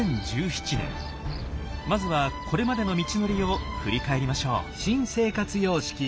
まずはこれまでの道のりを振り返りましょう。